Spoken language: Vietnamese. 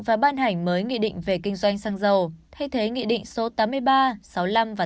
và ban hành mới nghị định về kinh doanh xăng dầu thay thế nghị định số tám mươi ba sáu mươi năm và